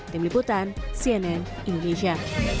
tim liputan cnn indonesia